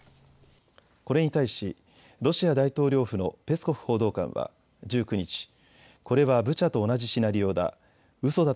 これに対し、ロシア大統領府のペスコフ報道官は１９日、これはブチャと同じシナリオだ。